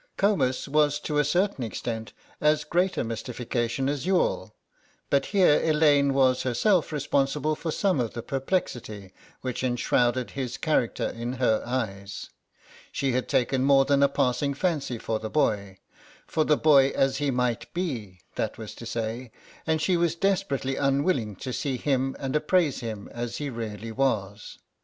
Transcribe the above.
Comus was to a certain extent as great a mystification as Youghal, but here Elaine was herself responsible for some of the perplexity which enshrouded his character in her eyes. She had taken more than a passing fancy for the boy—for the boy as he might be, that was to say—and she was desperately unwilling to see him and appraise him as he really was.